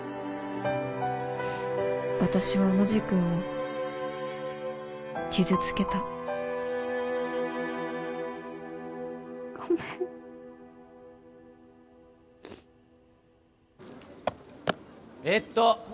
私はノジ君を傷つけたごめんえっと